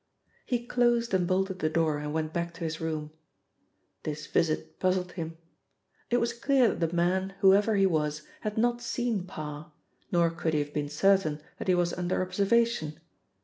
He closed and bolted the door and went back to his room. This visit puzzled him. It was clear that the man, whoever he was, had not seen Parr, nor could he have been certain that he was under observation.